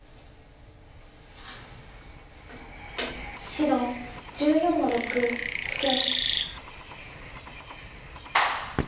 白１４の六ツケ。